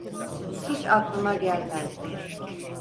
Hiç aklıma gelmezdi.